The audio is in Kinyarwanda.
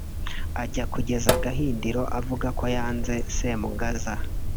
ajya gukeza Gahindiro avuga ko yanze Semugaza